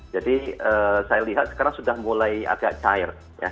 jadi saya lihat sekarang sudah mulai agak tired